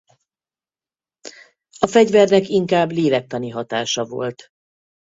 A fegyvernek inkább lélektani hatása volt.